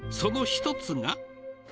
その一つが。